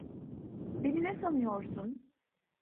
Beni ne sanıyorsun?